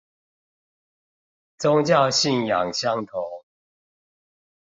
宗教信仰相同